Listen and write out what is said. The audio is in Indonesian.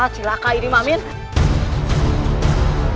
tidak ada apa apa